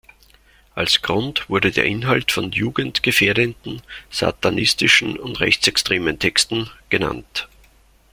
Als Grund wurde der Inhalt von jugendgefährdenden, satanistischen und rechtsextremen Texten genannt.